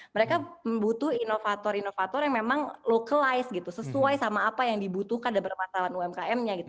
mereka butuh inovator inovator yang memang localized gitu sesuai sama apa yang dibutuhkan dan permasalahan umkm nya gitu